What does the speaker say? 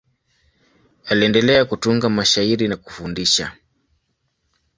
Aliendelea kutunga mashairi na kufundisha.